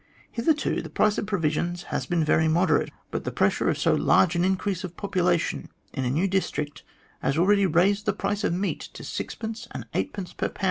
Hitherto the price of pro visions has been very moderate, but the pressure of so large an increase of population in a new district has already raised the price of meat to sixpence and eightpence per lb.